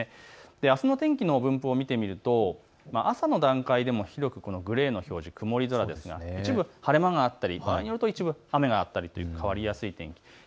あすの天気の分布を見てみると朝の段階でも広く、グレーの表示曇り空ですが一部晴れ間があったり一部雨があったりと変わりやすい天気です。